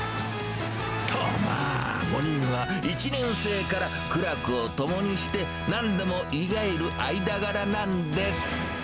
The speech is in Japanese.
と、まあ、５人は１年生から苦楽を共にして、なんでも言い合える間柄なんです。